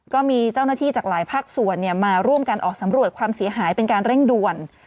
ก็มีเจ้าหน้าที่จากหลายภาคส่วนมาร่วมกันออกสำรวจความเสียหายเป็นการเร่งด่วน